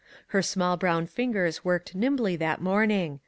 Her small brown fingers worked nimbly that morning.